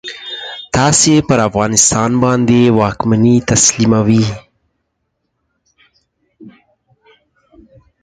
تاسې پر افغانستان باندي واکمني تسلیموي.